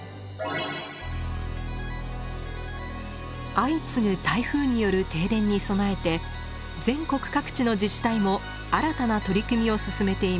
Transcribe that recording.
相次ぐ台風による停電に備えて全国各地の自治体も新たな取り組みを進めています。